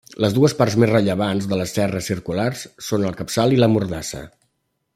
Les dues parts més rellevants de les serres circulars són el capçal i la mordassa.